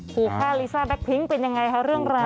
ขู่ฆ่าลิซ่าแบ็คพิงค์เป็นอย่างไรคะเรื่องราว